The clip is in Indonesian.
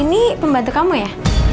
ini pembantu kamu ya